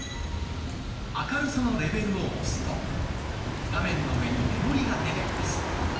「明るさのレベル」を押すと画面の上に目盛りが出てきます。